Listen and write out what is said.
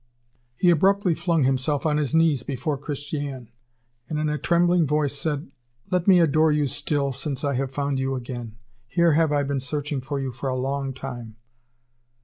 He abruptly flung himself on his knees before Christiane, and, in a trembling voice said: "Let me adore you still since I have found you again! Here have I been searching for you a long time!"